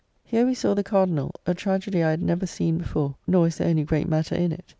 Here we saw "The Cardinall," a tragedy I had never seen before, nor is there any great matter in it.